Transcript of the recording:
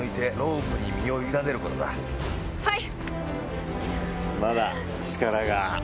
はい！